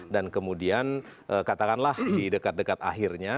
dan kemudian katakanlah di dekat dekat akhirnya